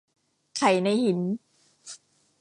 ไข่ในหิน